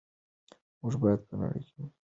موږ به بیا د نړۍ په سیالانو کې راشو.